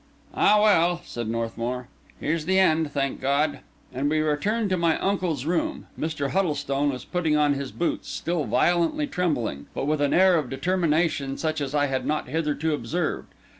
"Ah, well!" said Northmour, "here's the end, thank God." And we returned to My Uncle's Room. Mr. Huddlestone was putting on his boots, still violently trembling, but with an air of determination such as I had not hitherto observed.